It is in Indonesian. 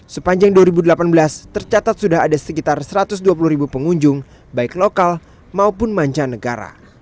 sepanjang dua ribu delapan belas tercatat sudah ada sekitar satu ratus dua puluh ribu pengunjung baik lokal maupun mancanegara